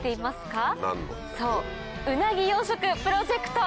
そうウナギ養殖プロジェクト！